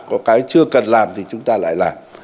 có cái chưa cần làm thì chúng ta lại làm